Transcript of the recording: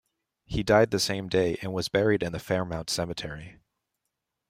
He died the same day and was buried in the Fairmount Cemetery.